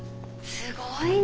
すごいわ。